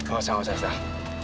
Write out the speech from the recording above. gak usah gak usah gak usah